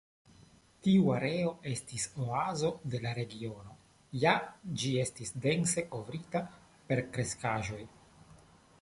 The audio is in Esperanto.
Tiu areo estis oazo de la regiono, ja ĝi estis dense kovrita per kreskaĵoj.